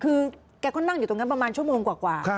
คือแกก็นั่งอยู่ตรงนั้นประมาณชั่วโมงกว่า